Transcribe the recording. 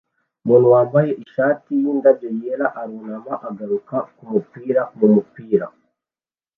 Umuntu wambaye ishati yindabyo yera arunama agaruka kumupira mumupira